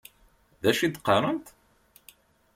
D acu i d-qqarent?